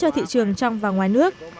thị trường trong và ngoài nước